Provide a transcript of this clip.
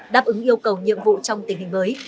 đáp ứng yêu cầu nhiệm vụ trong tình hình mới